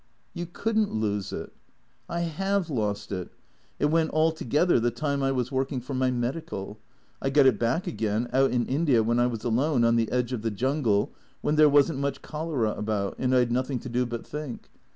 " You could n't lose it." " I have lost it. It went altogether the time I was working for my medical. I got it back again out in India when I was alone, on the edge of the jungle, when there was n't much cholera about, and I 'd nothing to do but think.